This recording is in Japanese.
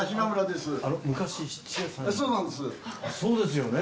そうですよね？